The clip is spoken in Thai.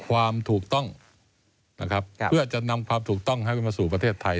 ความถูกต้องนะครับเพื่อจะนำความถูกต้องให้มาสู่ประเทศไทย